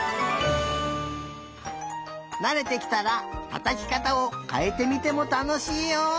なれてきたらたたきかたをかえてみてもたのしいよ！